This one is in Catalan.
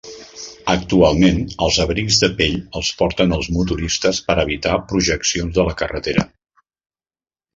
Actualment, els abrics de pell els porten els motoristes per evitar projeccions de la carretera.